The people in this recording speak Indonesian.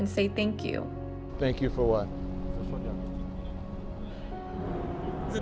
untuk yang kamu berhutang